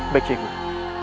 baik syekh guru